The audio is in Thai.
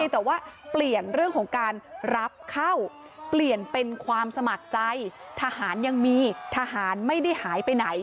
แต่ว่าเปลี่ยนเรื่องของการรับเข้าเปลี่ยนเป็นความสมัครใจทหารยังมีทหารไม่ได้หายไปไหน